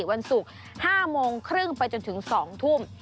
วันศุกร์๕โมงครึ่งไปจนถึง๒ทุ่ม